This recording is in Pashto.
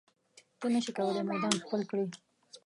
ته نشې کولی میدان خپل کړې.